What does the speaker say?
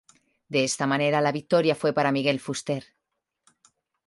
De esta manera la victoria fue para Miguel Fuster.